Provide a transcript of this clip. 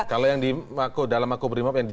kalau yang dalam aku berimap